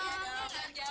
iya dong jangan jangan